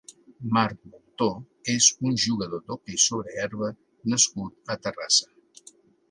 Marc Boltó és un jugador d'hoquei sobre herba nascut a Terrassa.